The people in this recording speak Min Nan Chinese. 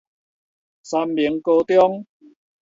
三民高中